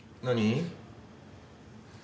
何？